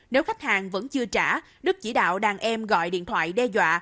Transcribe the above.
nếu khách hàng vẫn chưa trả đức chỉ đạo đàn em gọi điện thoại đe dọa